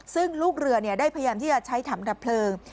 ซึ่งลูกเรือได้พยายามที่จะใช้ถังดับเพลิง